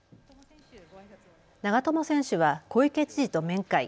長友選手は小池知事と面会。